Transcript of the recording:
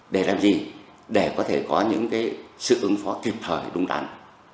để làm gì để có thể có những sự ứng phó kịp thời đúng đắn